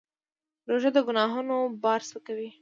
روژه د ګناهونو بار سپکوي.